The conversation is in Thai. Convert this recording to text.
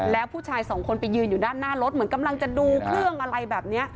แล้วผู้ชายสองคนไปยืนอยู่ด้านหน้ารถเหมือนกำลังจะดูเครื่องอะไรแบบนี้